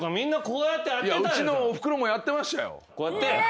うちのおふくろもやってましたよ。